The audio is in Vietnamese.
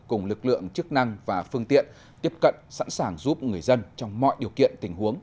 cùng lực lượng chức năng và phương tiện tiếp cận sẵn sàng giúp người dân trong mọi điều kiện tình huống